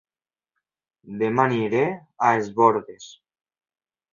Dema aniré a Es Bòrdes